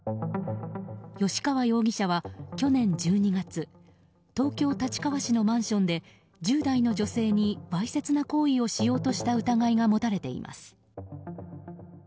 吉川容疑者は去年１２月東京・立川市のマンションで１０代の女性にわいせつな行為をしようとした疑いが持たれています。